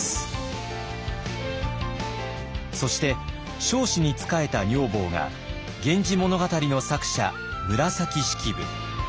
そして彰子に仕えた女房が「源氏物語」の作者紫式部。